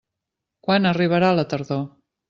Quan arribarà la tardor?